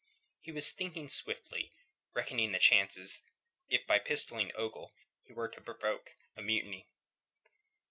He was thinking swiftly, reckoning the chances if by pistolling Ogle he were to provoke a mutiny.